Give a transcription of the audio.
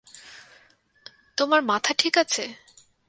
তোমার মাথা ঠিক আছে?